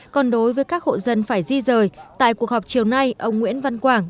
còn đối với các hộ dân phải di rời tại cuộc họp chiều nay ông nguyễn văn quảng